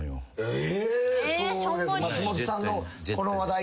え！